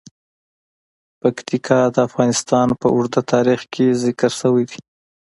پکتیکا د افغانستان په اوږده تاریخ کې ذکر شوی دی.